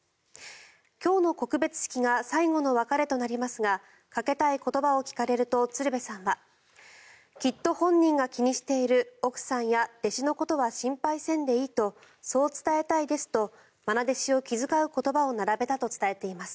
今日の告別式が最後の別れとなりますがかけたい言葉を聞かれると鶴瓶さんはきっと本人が気にしている奥さんや弟子のことは心配せんでいいとそう伝えたいですと愛弟子を気遣う言葉を並べたと伝えています。